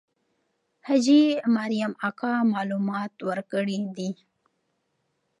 حاجي مریم اکا معلومات ورکړي دي.